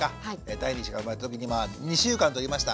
第２子が生まれた時に２週間とりました。